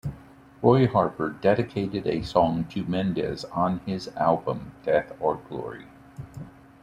Roy Harper dedicated a song to Mendes on his album "Death or Glory".